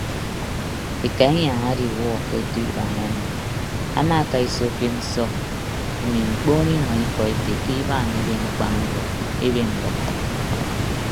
Eka inyañ ediwuọ ke otu ibaan ami amaakaiso ke nsọk mme mkpoon inua ikọ ete ke ibaan eben akpan udua eben mbʌk.